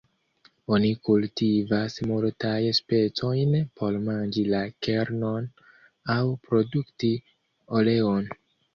Oni kultivas multajn specojn por manĝi la kernon aŭ produkti oleon.